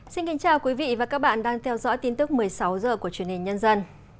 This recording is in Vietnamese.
xin kính chào quý vị và các bạn đang theo dõi tin tức một mươi sáu h của truyền hình nhân dân